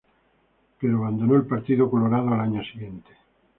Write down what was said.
Pero abandonó el Partido Colorado al año siguiente.